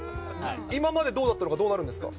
今までどうだったのが、どうなるんですか？